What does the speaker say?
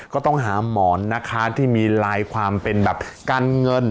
ก็ต้องหาหมอนนะคะที่มีลายความเป็นแบบการเงิน